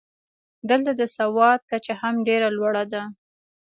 دلته د سواد کچه هم ډېره لوړه ده.